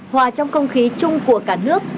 hòa trong công khí chung của cả nước